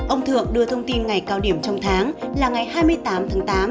ông thượng đưa thông tin ngày cao điểm trong tháng là ngày hai mươi tám tháng tám